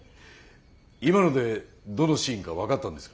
今のでどのシーンか分かったんですか？